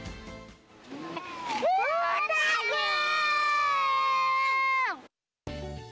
風太くん！